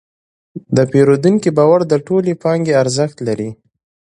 د پیرودونکي باور د ټولې پانګې ارزښت لري.